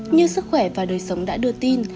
như sức khỏe và đời sống đã đưa tin